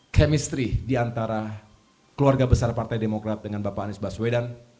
chemistry diantara keluarga besar partai demokrat dengan bapak anies baswedan